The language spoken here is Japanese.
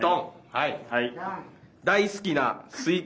はい。